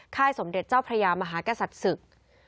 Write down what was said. สมเด็จเจ้าพระยามหากษัตริย์ศึก